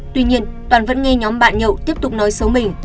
tuy nhiên toàn vẫn nghe nhóm bạn nhậu tiếp tục nói xấu mình